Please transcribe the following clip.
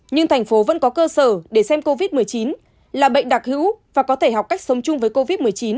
nhưng thành phố vẫn có cơ sở để xem covid một mươi chín là bệnh đặc hữu và có thể học cách sống chung với covid một mươi chín